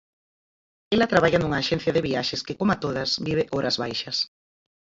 Ela traballa nunha axencia de viaxes que, coma todas, vive horas baixas.